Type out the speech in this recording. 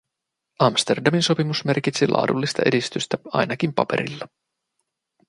Amsterdamin sopimus merkitsi laadullista edistystä, ainakin paperilla.